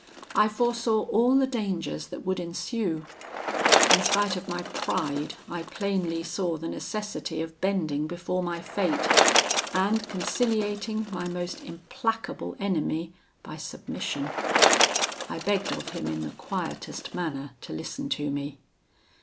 I foresaw all the dangers that would ensue. In spite of my pride, I plainly saw the necessity of bending before my fate, and conciliating my most implacable enemy by submission. I begged of him, in the quietest manner, to listen to me.